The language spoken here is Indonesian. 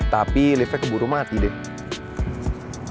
tapi liftnya keburu mati deh